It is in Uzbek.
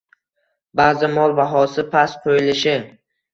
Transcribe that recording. Ba'zi mol bahosi past qo'yilishi